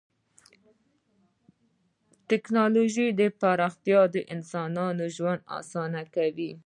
د ټکنالوژۍ پراختیا د انسانانو ژوند اسانه کوي.